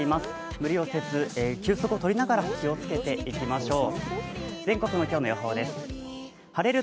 無理をせず休息を取りながら気をつけていきましょう。